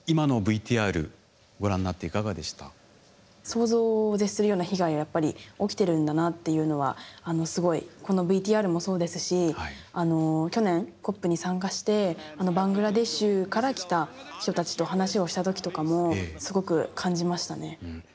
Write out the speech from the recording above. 想像を絶するような被害がやっぱり起きてるんだなっていうのはすごいこのＶＴＲもそうですし去年ＣＯＰに参加してバングラデシュから来た人たちと話をしたときとかもすごく感じましたね。